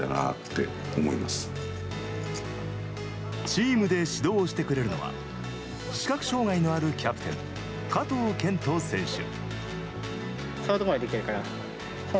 チームで指導をしてくれるのは視覚障害のあるキャプテン、加藤健人選手。